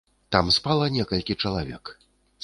Там спала некалькі чалавек.